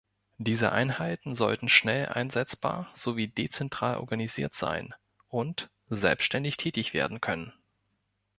Diese Einheiten sollten schnell einsetzbar sowie dezentral organisiert sein und selbstständig tätig werden können.